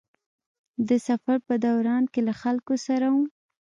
د سفر په دوران کې له خلکو سره وم.